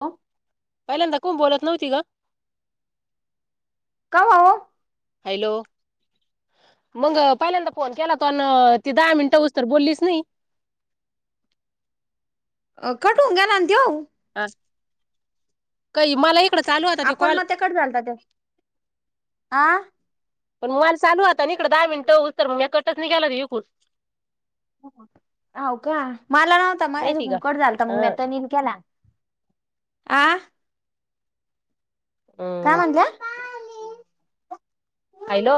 ह पहिल्यांदा कोण बोलत नव्हती ग का हो हॅलो मग पहिल्यांदा फोन केला तो आणि त दहा मिनट उस तर बोललीच नाही. कटा होऊन गेला ना त्यो. हा काही मलाही आपण मग ते कट झालत ते. पण मोबाईल चालु होता इकडं दहा मिनट होवस तो तर मग कटच नाही केला. हो का मला नव्हता माझ माहिती का कुंकट झालत हा मग मता निन केला आ.. काय हम्म म्हणल्या हॅलो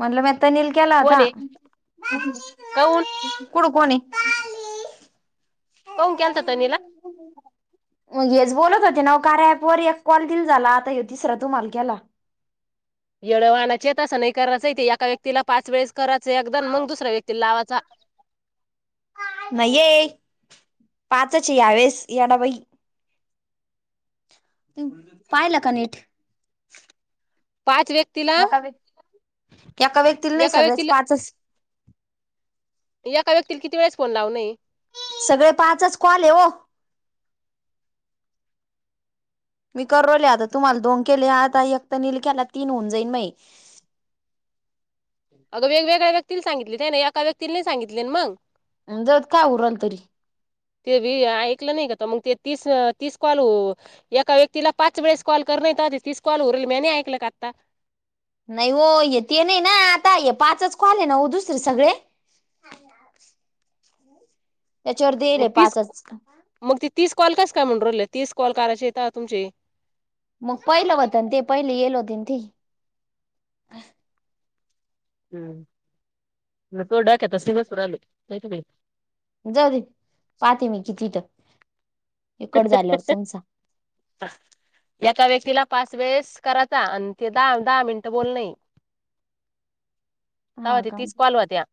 म्हटलं मी तनीला केला कोण होता आहे काऊन कुठ कोण ते. कऊन केलता तनीला मग हेच बोलत होते ना ओ कायॉ ॲप वर एक कॉल दिल झाला आता ये तिसरा तुम्हाला केला. येड वाणाचेेत तस नाही करायच ऐका व्यक्तीला पाच वेळेस करायच एकदा मग दुसऱ्या व्यक्तीला लावायचा. नाहीये पाचच यावेळेस यडाबाई पाहिला का नीट. पाच व्यक्तीला एका व्यक्तीला नाही एका सगळ्याच व्यक्तीला पाचच एका व्यक्तीला किती वेळेस फोन लावन ये. सगळे पाचच कॉल ये ओ मी करू राहीले आता तुम्हाला दोन केले आता एकक्त निलक्याला तीन होऊन जाईन मये. अन अगं वेगवेगळ्या व्यक्तीला सांगितले ना एका व्यक्तीला नाही सांगितले मग. ज काय उरल तरी ते बी ऐकल नाही का मग ते तीस तीस कॉल एका व्यक्तीला पाच वेळेस कॉल कर. तीस कॉल उरेल मी नाही ऐकलं का आत्ता नाही हो य ते नाही ना आता पाचच काॅल ना ओ दुसरे सगळे हो मग ती पाचच मग तीस कॉल कस काय म्हणु राहीले तीस कॉल करायचे येता तुमचे मग पहिलं होत ते पहिले येल होते ना ते हम् तो डाकता सुर आले नाही जाऊ दे पाहते मी किती इकड झाल्यावर तुमचा ह एका व्यक्तीला पाच वेळेस करायचा आणि ते दहा दहा मिनटं बोल नाही त हा ते का तस पावाल अ त्या्या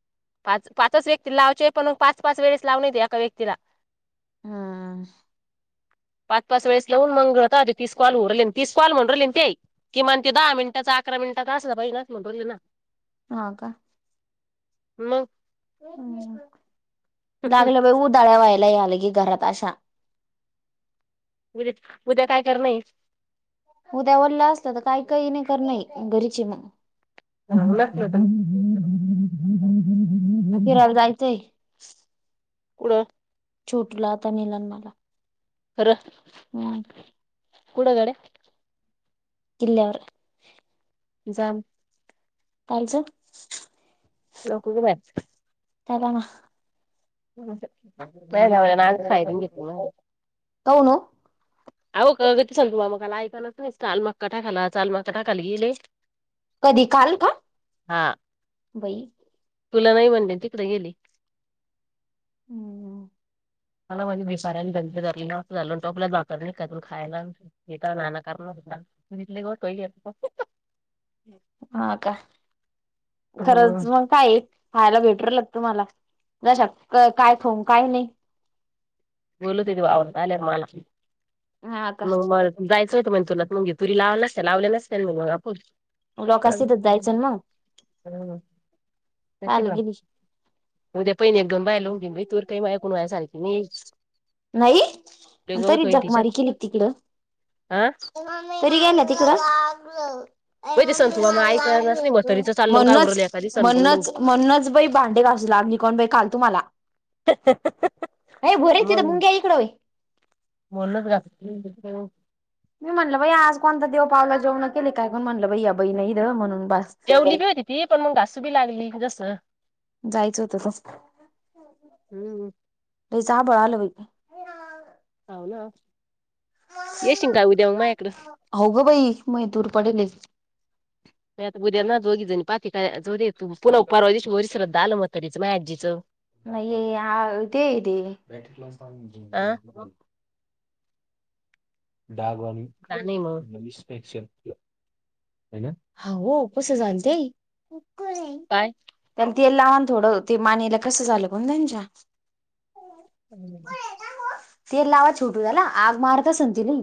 पाच पाच व्यक्ती लावचे पणग पाच पाच वेळेस लावून येते एका व्यक्तीला हम्म पाच पाच वेळेस लावून मंगळ होता तिसकवालऊर तिस कवाल म्हणूनहिली ते किमान ते दहा मिनटाचां आक्रम मिनट का अस पाहि नाणो ना ह का म ् मग लागलं बाई उ दळ्यावायला ला आलंगी घरात आशा उद्या उद्या काय कर नाही उद्या ओल्लं असत तर काही काही नाही कर नाही घरीचे मग फिरायला [unintelligible] [unintelligible] कडं छोटूला आता मेलान मला र हम्म कुडगडे इल्यावर जाम कालचं [unintelligible] चला ना [unintelligible] काऊन ओ [unintelligible] कधी काल का हा बई तुला नाही म्हणले तिकडे गेली. हम्मम [unintelligible] [unintelligible] हा का खरंच मग काय एक खायला भेट कळलं का तुम्हाला जशा काय खाऊ न काय नाही. बोल होते त वावर आल्या मला हा का मग म जायचं होतं म्हण तुरनात मग घ तुरी लाव नसते लावले नसे मग मगा आपूर ह लोकांस तिथंच जायचं ना मग काल नटिकला गेली उद्या पहि एकदऊन बाहेलाऊन घेन तुर काही मा को्हाय सारखी नाही [unintelligible] नाही लय गवत तरी होईल जकमारी तिच्यात केली तिकड हा तरी घ्या ना तिकडं बई ते संतू मामा ऐकनाच नाही म्हातारीच चाललं काय उरलं म्हणूनच एका दिवसानं पण मग म्हणूनच म्हणूनच बाई भांडे लागली कोन बाई काल तुम्हाला. ह हे भो रे ह तिथं मुंग्या इकडं व्हय ह ह ह [unintelligible] मी म्हणलं बई आज कोणता देव पावला जेवण केले कायण म्हटलं बैया बई नाही द म्हणून बस जेवली बी होती ती पण मग घासू बी लागली जस जायचं होतं त हम्म लईच आभाळ आलं बाई [unintelligible] हव‌ ना येशील काय उद्या मग माझ्याकडं [inaudible] हो ग बाई मै दूर पडेले. मी आता उद्या ना दोघी जणी पात का दे तू पुन्हा पारवा वरी श्रद्धा आलं होतं तिचं मायाआजीचं नाही ते ते आ [inaudible] डागवाण- का नाही मग [unintelligible] निषपेक्ष हो -हो कस झालं ते [inaudible] काय त्याला तेल लावाना थोडं ते मानेला कसं झालं पण त्यांच्या ह तेल लावा छोटू त्याला ‌ आग मारत असणं नाही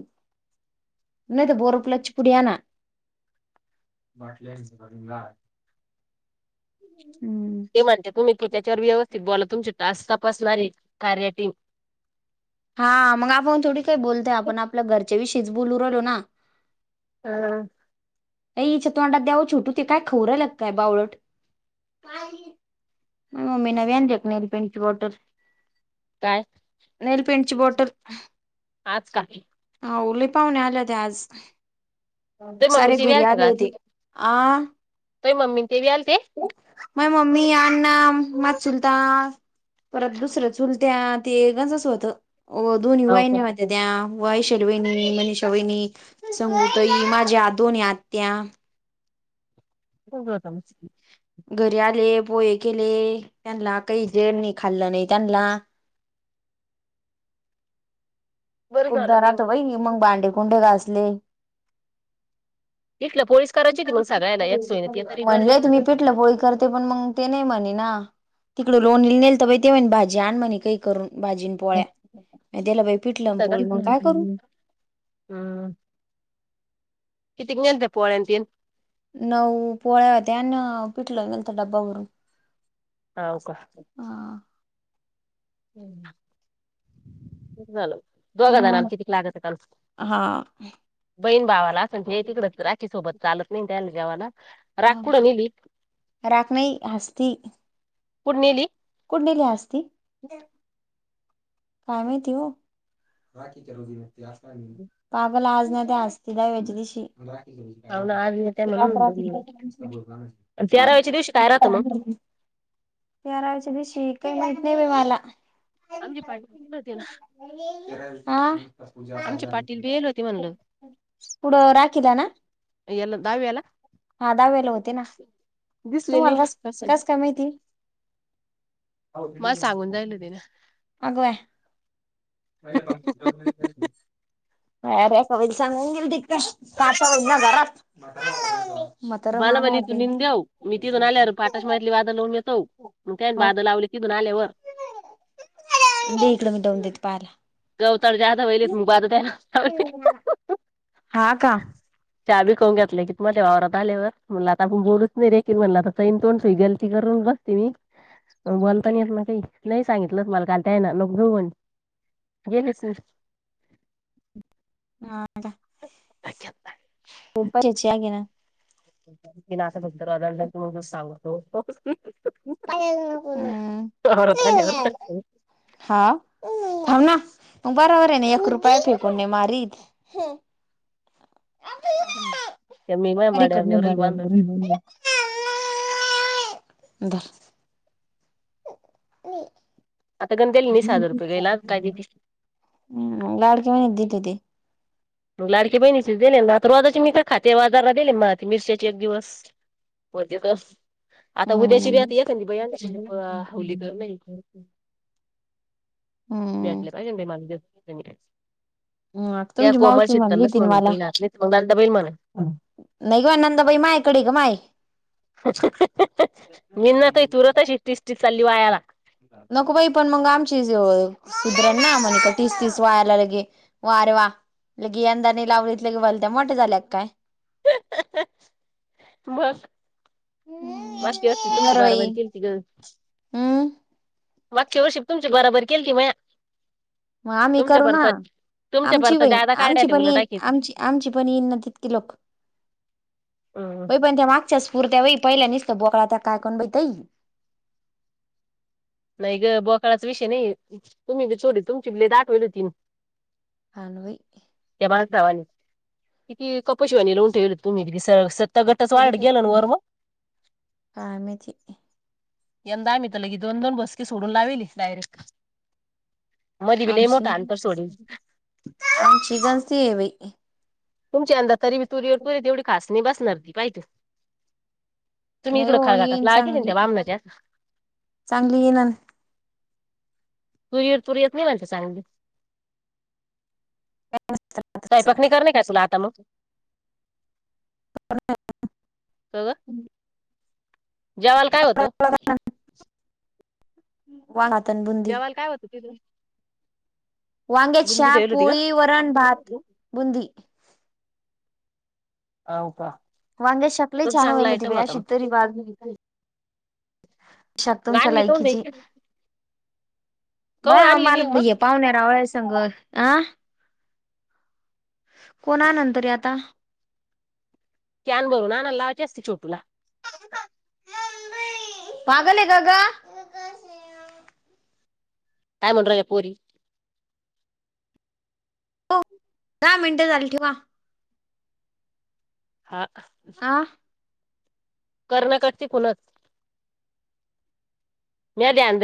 [inaudible] तर बोर प्लसची पुडी‌ आणा. [unintelligible] ते म्हणले तुम्ही की त्याच्यावर व्यवस्थित बोला तुमची टास्क तपासणारी कार्यटीम हा मग आपण थोडी काही बोलतय आपण आपल्या घरच्या विषयीच बोलू राहिलो ना. हम ए इच्या तोंडात द्यावं छोटू ते काय खाऊ राहिल काय बावळट [inaudible] मम्मी ना व्याजक नेल पिंडची वॉटर काय नेलपेडची बोटल आज का हा उले पाहुणे आले होते आज तुही [inaudible] मम्मी सारे ते बी घरी आले होते आ ए मम्मी ते बी आलते माय मम्मी अण्णा माझा चुलता परत दुसरं चुलत्या ते गच अस होतं दोन्ही हो वाहिन होत्या त्या वैशाली वहिनी मनीष वाहिनी संगुतई‌ माझ्या दोन्ही आत्या हो [unintelligible] [unintelligible] घरी आले पोहे केले त्यांना काही जण नाही खाल्लं नाही त्यांनाला बरं खूप झालं दरात बाई मग बांडे कुंडे घासले तिथलं पोळीस [inaudible] करायची होती मग सगळ्याला एक सोयीनं ते तरी बरं म्हणजे तुम्ही झालं मी पिटलं पोळी करते पण मग ते नाही म्हणे ना तिकडं लोणी नेलत तर‌ ते म्हणे भाजी आण म्हणे काही करून भाजीन होतं पोळ्या त्याला बाई पिटलं का पोळी मग काय करू हम्म [unintelligible] किती न्यायच्या पोळ्या ते -न नऊ पोळ्या द्याना पिटलं मलत डबबा बू हाव हा हम् [inaudible] झालं दोघं जणम कितीक लागचं काल हा. बहीण भावाला असंण तिकडच राची सोबत चालत नाही त्या जेवाला ह [inaudible] राखनी हसती पुणेली कुणीली हसती [inaudible] काय माहिती हो लागल ते असस्तीला वेजलीशी पाहुणं आज येत आहे [inaudible] ते्र हा म्हणून [inaudible] तेराव्याच्या दिवशी काय राहतं मग बारावी्याच्या दिवशी काही माहत नाही बाई मला आम्ही पाहिजे तेला [inaudible] हा पाणी येल होती म्हणलं पुढं राखला ना ह्याला दाव हेला- हा दहावी ला होते ना दिसले नाही असं मला सांगून जायल ते ना आगबाय अरे कबित सांगू [inaudible] दिक कासा हो ना घरात माहातारा माला म्हणे तू निेदेव मी तिथून आल्या पाठश शतली वादा लवुन येतो हो त्यायन बाद लावले तिथून आल्यावर दे इकडं मी देऊन देते पाहेला तर जात होयेलेत मुबात तेयना हा का चावी खऊून घेतले की तु माझ्या वावरात आल्यावर म्हणला आता आपण बोलूच नाही रेखील म्हणला आता चेन तोडसुई गलती करून बसते मी बोलता नाई येत ना काही नाही सांगितलं मला काल त्याईना नको घेऊ म्हणे गेले सु [inaudible] तुप चर्चेगे ता बदरर त तू सांगतो [inaudible] वावरात आल्यावर हा थाबना बरोबर ना एक रुपया फेकून नाही मारीत त्या मी माझ्या अर माड्यावर कडन नेवरील बाडर ब बांधून [inaudible] धर ह आता गण दिली नाही नई हजार रुपये गेला काय देती हम् लाडके म्ह मग लाडकी बहिणी दिले ना तरवाजचे मी का खात आजारला दिले म मिरशचे एक दिवस होते त आता उद्याची बी हम्म आता य की ब हवली का नाय हम्म. भेटल्यान बाई मला उद्या [unintelligible] तुमची मावशी म्हनली होती ना मला पहिला हात मग दादा बैल म्हणा नई ग नदाबहीण मायकडे ग माय मी ना काही तुरत श्टस्िक चाली वायाला नको बाई पण मग आमची सुधरण ना म्हणे का तीस तीस वायायला लगे वा आरे वा लगी यंदा नि लाल्यात लगे भलत्या मोठे झाल्यात काय बस मास्टी आसती तुमची बराबरी केलती ग हम मागच्या वर्षिप तुमची बराबरी केलथी म्या म आम्ही करू ना तुमच्या आमची परत वहीण जादा काढल्या आमची त्या पण उलट येईन टाकी आमची आमची पण येईना तितकीे लोक बई पण त्या मागच्याच पुरत्या वही पहिल्या निस बोकळात्यात काय कोण बितई नाही ग बोकाळाचा विषय नाही तुम्ही बी थोडी तुमची लई दायवेल होती हान वई धवाने किती कपशिवानी लावून ठेवल तुम्ही स सत [unintelligible] काय माहीती यंदा आम्ही त मी त ल्् दोन दोन बसकीे सोडून लावेली डायरेक्ट मधी बी लय आमचे मोठा अंतर सोडील आमची जास्तीये बाई तुमच्या अंदा तरी बी तुरीवर तुरी तेवढी खासणई बसनार ती पाये तु तुम्ही नाही इकडं हो खळघाटात येईन लावायेचीना चांगली त्या बामनाच्या चांगली येईन तुरीर तुर येत नाही म्हणत्या चांगली सईपाक नही करणेय का आता मग. क व जवायला काय होत. भात अन बुंदी जवायला काय होत तिथं. बुंदी वांगेचीशाक, ठेवली होती का? पोळी, वरण, भात, बुंदी. हव का? वांगेशक लई तो छान होयल चांगला होती आयटम बाई होता अशी मग तरी बाज शक तुमच्या आणली काऊन नाही? लायकीची. काऊन बाय आणली नाही मला मग हे पाहुण्या रावळ संग अं. कोण आननतरी आता. कॅन भरून आनायला लावाची असते छोटूला. पागले काग? काय म्हणू राहील्या पोरी. हो दहा मिनटं झाली ठेवा. हा. अ. कर्ण कटची खुलत मी ध्यान द